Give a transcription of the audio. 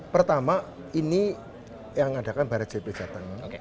pertama ini yang adakan barajp jateng